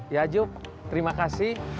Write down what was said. ya juk terima kasih